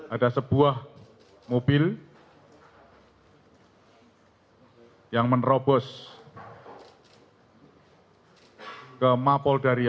ada sebuah mobil yang menerobos ke mapol dario